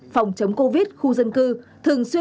phòng chống covid khu dân cư